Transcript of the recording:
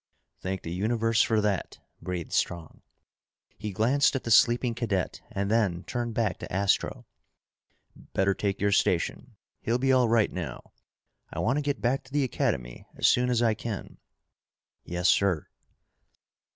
"Thank the universe for that," breathed Strong. He glanced at the sleeping cadet and then turned back to Astro. "Better take your station. He'll be all right now. I want to get back to the Academy as soon as I can." "Yes, sir."